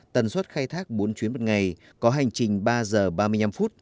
tần suất khai thác bốn chuyến một ngày có hành trình ba h ba mươi năm